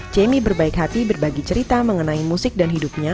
jamie berbaik hati berbagi cerita mengenai musik dan hidupnya